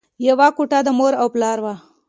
یوه کوټه د مور او پلار وه